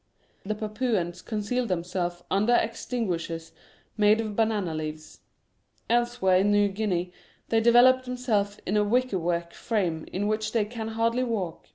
The Papuans conceal themselves under ex tinguishers made of banana leaves. Elsewhere in New Guinea they envelop themselves in a wicker work frame in which they can hardly walk.